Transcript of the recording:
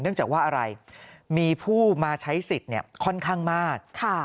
เนื่องจากว่าอะไรมีผู้มาใช้สิทธิ์เนี่ยค่อนข้างมาก